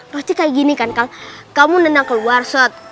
pasti kayak gini kan kalau kamu nendang keluar satpam